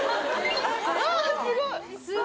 あぁすごい。